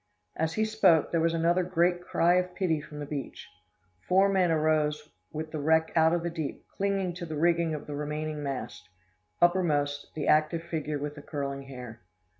"As he spoke, there was another great cry of pity from the beach; four men arose with the wreck out of the deep, clinging to the rigging of the remaining mast; uppermost, the active figure with the curling hair.